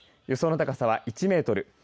予想の高さは１メートル。